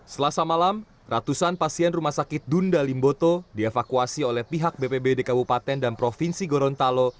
selasa malam ratusan pasien rumah sakit dunda limboto dievakuasi oleh pihak bpbd kabupaten dan provinsi gorontalo